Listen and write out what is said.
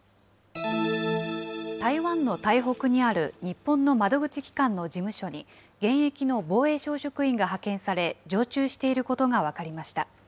台湾の台北にある日本の窓口機関の事務所に、現役の防衛省職員が派遣され、常駐していることが分かりました。